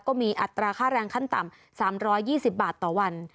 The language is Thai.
อัตราค่าแรงขั้นต่ำ๓๒๐บาทต่อวัน